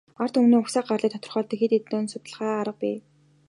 Ард түмний угсаа гарлыг тодорхойлдог хэд хэдэн судалгааны арга бий.